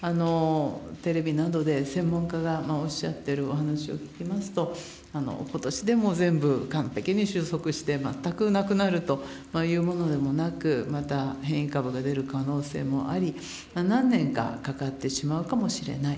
テレビなどで専門家がおっしゃってるお話を聞きますと、ことしでも全部、完璧に終息して全くなくなるというものでもなく、また変異株が出る可能性もあり、何年かかかってしまうかもしれない。